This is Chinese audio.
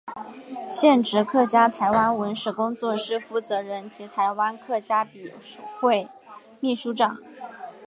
现职客家台湾文史工作室负责人及台湾客家笔会秘书长。